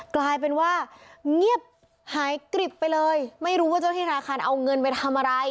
กลายเป็นว่าเงียบหายกริบไปเลยไม่รู้ว่าเจ้าที่ธนาคารเอาเงินไปทำอะไร